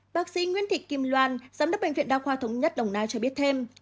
bác sĩ nguyễn thị kim loan giám đốc bệnh viện đa khoa thống nhất đồng nai cho biết thêm